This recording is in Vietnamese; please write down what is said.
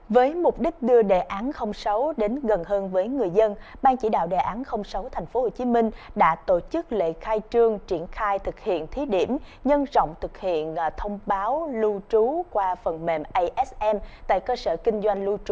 với mục đích đưa đề án không xấu đến gần hơn với người dân ban chỉ đạo đề án không xấu tp hcm đã tổ chức lễ khai trương triển khai thực hiện thí điểm nhân rộng thực hiện thông báo lưu trú qua phần mềm mạng